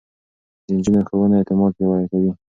د نجونو ښوونه اعتماد پياوړی کوي.